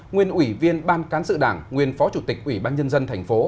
nguyên ủy viên ban cán sự đảng nguyên phó chủ tịch ủy ban nhân dân thành phố